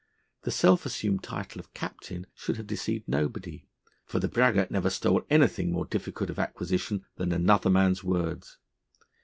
The self assumed title of Captain should have deceived nobody, for the braggart never stole anything more difficult of acquisition than another man's words.